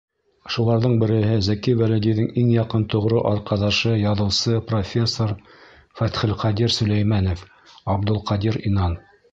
Шуларҙың береһе— Зәки Вәлидиҙең иң яҡын тоғро арҡаҙашы, яҙыусы, профессор Фәтхелҡадир Сөләймәнов — Абдулҡадир Инан.